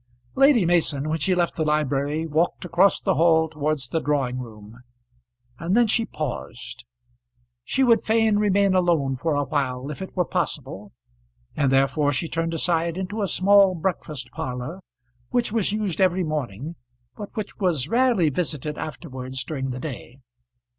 Lady Mason, when she left the library, walked across the hall towards the drawing room, and then she paused. She would fain remain alone for a while if it were possible, and therefore she turned aside into a small breakfast parlour, which was used every morning, but which was rarely visited afterwards during the day.